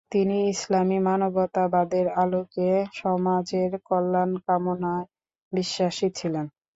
তিনি ইসলামি মানবতাবাদের আলোকে সমাজের কল্যাণ কামনায় বিশ্বাসী ছিলেন।